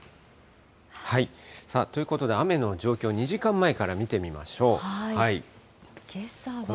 ということで、雨の状況、２時間前から見てみましょう。